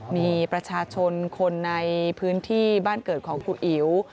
มีประชาชนคนในพื้นที่บ้านเกิดของครูอิ๋ว